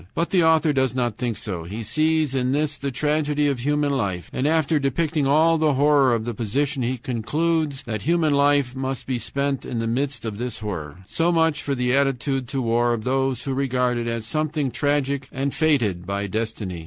But the author does not think so. He sees in this the tragedy of human life, and after depicting all the horror of the position he concludes that human life must be spent in the midst of this horror. So much for the attitude to war of those who regard it as something tragic and fated by destiny.